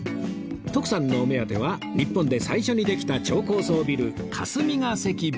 徳さんのお目当ては日本で最初にできた超高層ビル霞が関ビル